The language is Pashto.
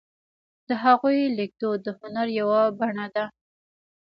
د هغوی لیکدود د هنر یوه بڼه ده.